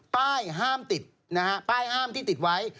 ป้ายห้ามติดนะฮะป้ายห้ามที่ติดไว้